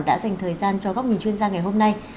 đã dành thời gian cho góc nhìn chuyên gia ngày hôm nay